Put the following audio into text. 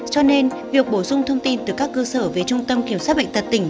cho nên việc bổ sung thông tin từ các cơ sở về trung tâm kiểm soát bệnh tật tỉnh